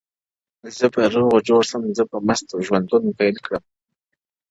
o زه به روغ جوړ سم زه به مست ژوندون راپيل كړمه؛